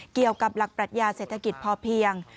เกี่ยวกับหลักปรัชญาเศรษฐกิจพอเพียง